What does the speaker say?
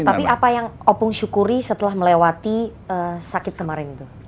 tapi apa yang opung syukuri setelah melewati sakit kemarin itu